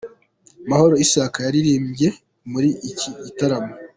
Mahoro Isaac yaririmbye muri iki gitaramo.